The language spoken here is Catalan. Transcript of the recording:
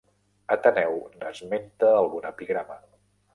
Ateneu n'esmenta algun epigrama.